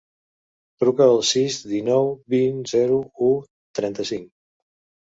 Truca al sis, dinou, vint, zero, u, trenta-cinc.